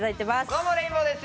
どうもレインボーです。